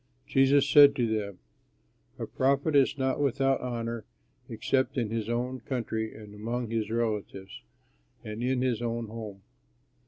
Jesus said to them, "A prophet is not without honor except in his own country and among his relatives and in his own home."